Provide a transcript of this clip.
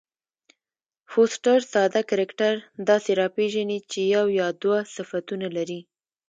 فوسټر ساده کرکټر داسي راپېژني، چي یو یا دوه صفتونه لري.